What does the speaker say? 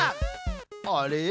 あれ？